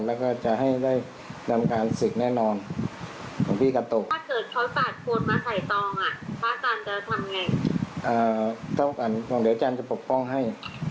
เอ่อเท่ากันเดี๋ยวอาจารย์จะปกป้องให้